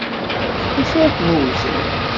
S wacu ay ken-wten?